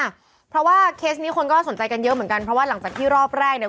อ่ะเพราะว่าเคสนี้คนก็สนใจกันเยอะเหมือนกันเพราะว่าหลังจากที่รอบแรกเนี่ย